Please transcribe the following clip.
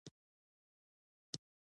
موږ به سبا دفتر ته لاړ شو.